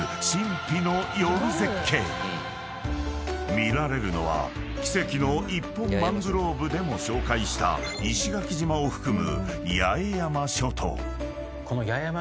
［見られるのは奇跡の一本マングローブでも紹介した石垣島を含む八重山諸島］